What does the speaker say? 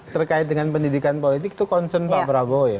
terkait dengan pendidikan politik itu concern pak prabowo ya